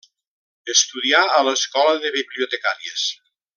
Estudià a l'Escola de Bibliotecàries.